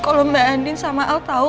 kalau mbak endin sama al tau